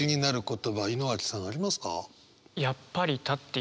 言葉井之脇さんありますか？